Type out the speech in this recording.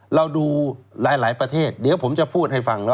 เราดูหลายประเทศเดี๋ยวผมจะพูดให้ฟัง